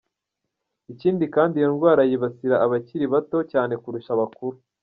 Ikindi kandi ngo iyi ndwara yibasira abakiri bato cyane kurusha abakuru.